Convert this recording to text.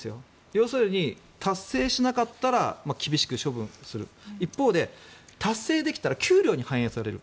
要するに達成しなかったら厳しく処分する一方で達成できたら給料に反映される。